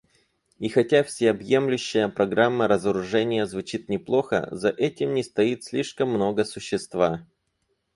И хотя всеобъемлющая программа разоружения звучит неплохо, за этим не стоит слишком много существа.